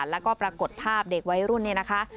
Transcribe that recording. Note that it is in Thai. แล้วก็ปรากฏภาพเด็กวัยรุ่นเนี่ยนะคะ